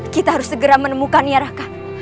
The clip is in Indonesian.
kita harus segera menemukannya raka